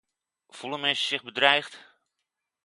Voelen mensen zich bedreigd?